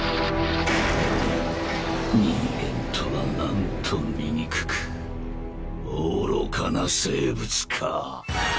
人間とはなんと醜く愚かな生物か。